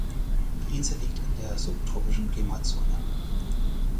Die Insel liegt in der subtropischen Klimazone.